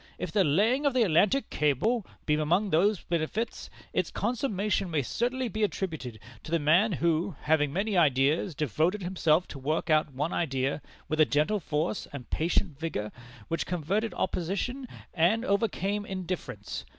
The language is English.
If the laying of the Atlantic cable be among those benefits, its consummation may certainly be attributed to the man who, having many ideas, devoted himself to work out one idea, with a gentle force and patient vigor which converted opposition and overcame indifference.